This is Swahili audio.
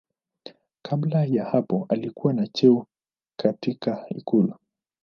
Kabla ya hapo alikuwa na cheo katika ikulu.